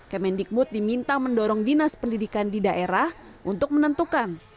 kemendikbud diminta mendorong dinas pendidikan di daerah untuk menentukan